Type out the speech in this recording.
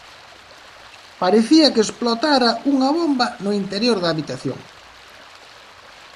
Parecía que explotara unha bomba no interior da habitación.